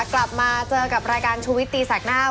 กลับมาเจอกับรายการชูวิตตีแสกหน้า